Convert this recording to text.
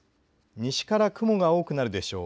西から雲が多くなるでしょう。